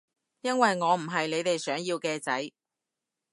因為我唔係你哋想要嘅仔